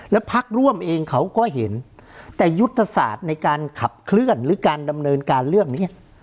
แล้วพักร่วมเองเขาก็เห็นแต่ยุทธศาสตร์ในการขับเคลื่อนหรือการดำเนินการเรื่องนี้